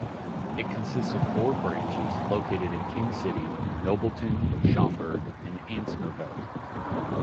It consists of four branches located in King City, Nobleton, Schomberg, and Ansnorveldt.